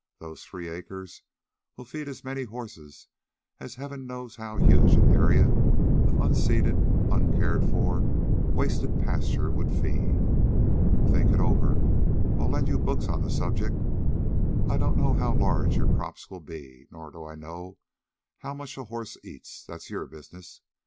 Those three acres will feed as many horses as heaven knows how huge an area of unseeded, uncared for, wasted pasture would feed. Think it over. I'll lend you books on the subject. I don't know how large your crops will be, nor do I know how much a horse eats; that's your business.